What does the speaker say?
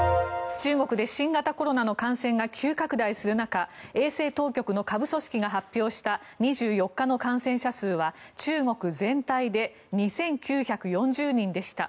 中国で新型コロナの感染が急拡大する中衛生当局の下部組織が発表した２４日の感染者数は中国全体で２９４０人でした。